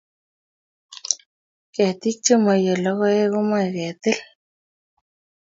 Ketik chemaiyei lokoek koimei ketil